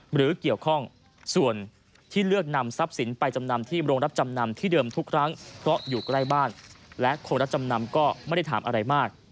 หรือเกี่ยวข้องส่วนที่เลือกนำทรัพย์สินไปจำนำที่โรงรับจำนำที่เดิมทุกครั้งเพราะอยู่ใกล้บ้านและคนรับจำนำก็ไม่ได้ถามอะไรมาก